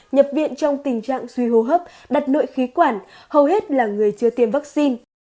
nhập viện trong tình trạng suy hô hấp đặt nội khí quản hầu hết là người chưa tiêm vaccine